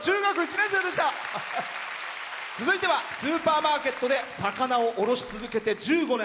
続いてはスーパーマーケットで魚を卸し続けて１５年。